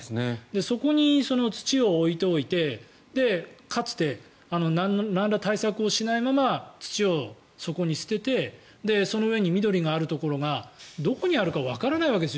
そこに土を置いておいてかつて、なんら対策をしないまま土をそこに捨てて、その上に緑があるところがどこにあるかわからないわけです